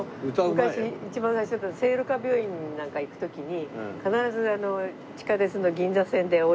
昔一番最初聖路加病院なんか行く時に必ず地下鉄の銀座線で降りて。